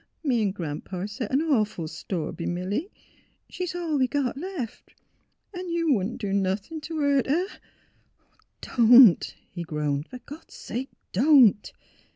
" Me 'n' Gran 'pa set an awful store b' Milly. She's all we got left. 'N' you wouldn't do nothin' t' hurt her " ''Don't!" he groaned. "For God's sake — don't!"